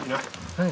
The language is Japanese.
はい。